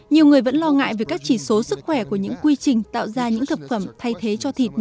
nhiều người vẫn lo ngại về các chỉ số sức khỏe của những quy trình tạo ra những thực phẩm thay thế cho thịt như thế này